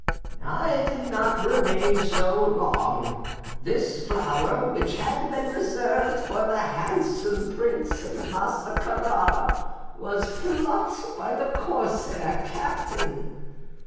I did not remain so long; this flower, which had been reserved for the handsome Prince of Massa Carara, was plucked by the corsair captain.